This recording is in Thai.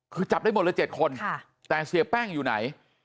คือจับได้หมดเลย๗คนแต่เสียแป้งอยู่ไหน